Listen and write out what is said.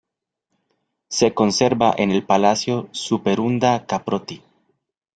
Se conserva en el Palacio Superunda-Caprotti.